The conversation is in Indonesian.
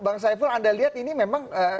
bang saiful anda lihat ini memang